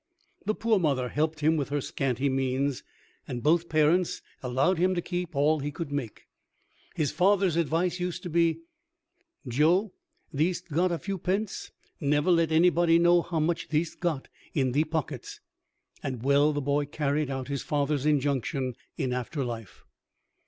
The poor mother helped him with her scanty means, and both parents allowed him to keep all he could make. His father's advice used to be, "Joe, thee'st got a few pence; never let anybody know how much thee'st got in thee pockets." And well the boy carried out his father's injunction in afterlife.